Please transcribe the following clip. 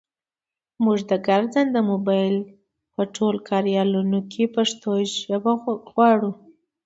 مونږ د ګرځنده مبایل په ټولو کاریالونو کې پښتو ژبه غواړو.